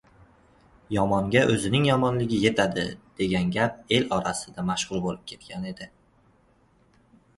yomonga oʻzining yomonligi yetadi” degan gapi el orasida mashhur boʻlib ketgan edi.